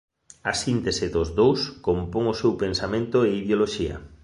A síntese dos dous compón o seu pensamento e ideoloxía.